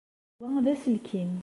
Wa d aselkim.